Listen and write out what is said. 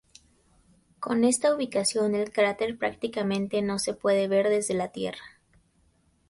Con esta ubicación el cráter prácticamente no se puede ver desde la Tierra.